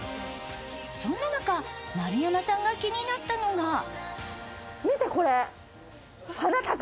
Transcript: そんな中、丸山さんが気になったのが